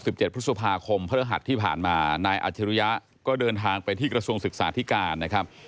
เจ็ดพฤษภาคมพฤหัสที่ผ่านมานายอัจฉริยะก็เดินทางไปที่กระทรวงศึกษาธิการนะครับ